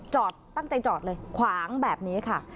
ตั้งใจจอดเลยขวางแบบนี้ค่ะ